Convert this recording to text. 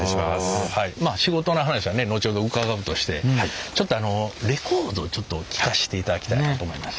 まあ仕事の話はね後ほど伺うとしてちょっとあのレコードちょっと聴かせていただきたいなと思いまして。